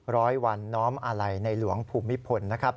ร้อยวันน้อมอาลัยในหลวงภูมิพลนะครับ